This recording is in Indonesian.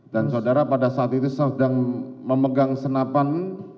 dan saudara pada saat itu sedang memegang senapan